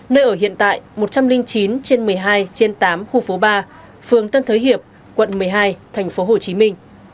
nơi ở hiện tại một trăm linh chín trên một mươi hai trên tám khu phố ba phường tân thới hiệp quận một mươi hai thành phố hồ chí minh